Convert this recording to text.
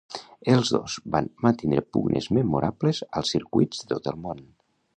Els dos van mantindre pugnes memorables als circuits de tot el món.